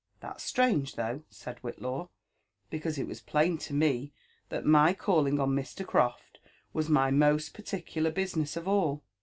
" That's strange though," said Wtiitlaw, " because it was plain to me that my calling on Mr. Croft was my most particular business of all.